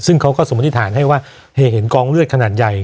ซึ่งเขาก็สมมติฐานให้ว่าเห็นกองเลือดขนาดใหญ่